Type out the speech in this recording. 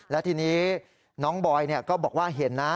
และทีนี้น้องบอยก็บอกว่าเห็นนะ